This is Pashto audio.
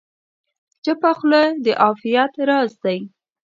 چپه خوله، د عافیت راز دی.